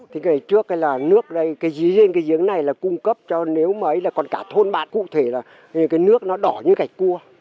thì ngày trước là nước đây cái dưới trên cái giếng này là cung cấp cho nếu mới là còn cả thôn bạn cụ thể là cái nước nó đỏ như gạch cua